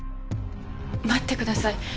待ってください。